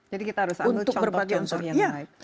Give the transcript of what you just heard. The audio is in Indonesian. jadi kita harus anggul contoh contoh yang baik